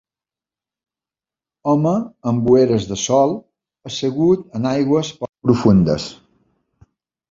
Home amb ulleres de sol assegut en aigües poc profundes